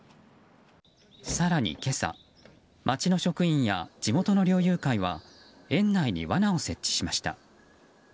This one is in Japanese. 更に今朝、町の職員や地元の猟友会は園内にわなを設置しました。